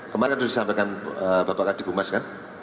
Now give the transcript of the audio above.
kemarin sudah disampaikan bapak adi bumas kan